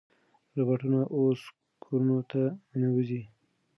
روباټونه اوس کورونو ته ننوځي.